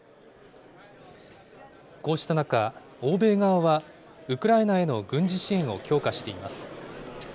こうした中、欧米側はウクライナへの軍事支援を強化しています。